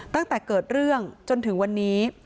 ตั้งแต่เกิดเรื่องจนถึงวันนี้